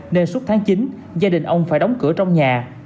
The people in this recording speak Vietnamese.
nên suốt tháng chín gia đình ông phải đóng cửa trong nhà